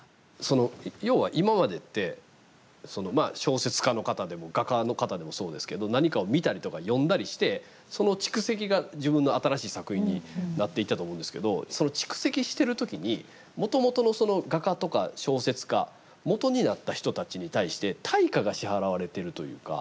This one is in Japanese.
要は今までって小説家の方でも画家の方でもそうですけど何かを見たりとか読んだりしてその蓄積が自分の新しい作品になっていったと思うんですけどその蓄積してる時にもともとのその画家とか小説家もとになった人たちに対して対価が支払われてるというか。